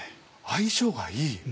相性がいい！